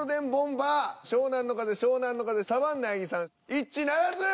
一致ならず！